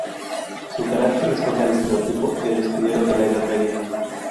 Su carácter responde al estereotipo del escudero de la Edad Media.